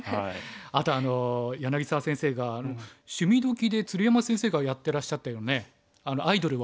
あと柳澤先生が「趣味どきっ！」で鶴山先生がやってらっしゃったようなねアイドルを。